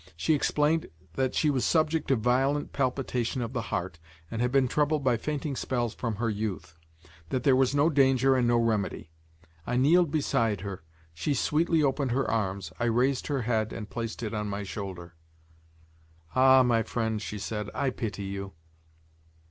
She explained that she was subject to violent palpitation of the heart and had been troubled by fainting spells from her youth; that there was no danger and no remedy. I kneeled beside her; she sweetly opened her arms; I raised her head and placed it on my shoulder. "Ah! my friend," she said, "I pity you."